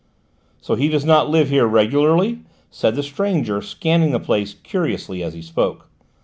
"So he does not live here regularly?" said the stranger, scanning the place curiously as he spoke.